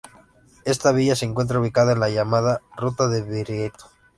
Esta villa se encuentra ubicada en la llamada "Ruta de Viriato".